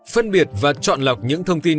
phân biệt và chọn lọc những thông tin